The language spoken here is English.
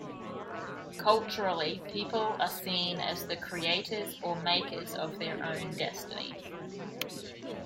Culturally, people are seen as the creators or makers of their own destiny.